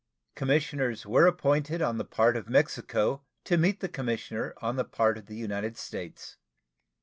Commissioners were appointed on the part of Mexico to meet the commissioner on the part of the United States.